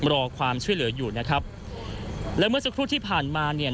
รอความช่วยเหลืออยู่นะครับและเมื่อสักครู่ที่ผ่านมาเนี่ย